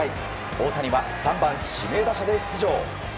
大谷は３番、指名打者で出場。